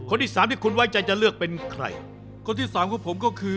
คนที่สามที่คุณไว้ใจจะเลือกเป็นใครคนที่สามของผมก็คือ